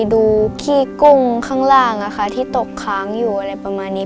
ขี้กุ้งข้างล่างที่ตกค้างอยู่อะไรประมาณนี้